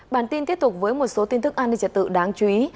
bản tin tiếp tục với một số tin tức an ninh trật tự đáng chú ý